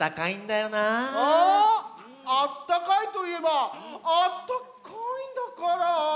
「あったかい」といえば「あったかいんだからぁ」だね。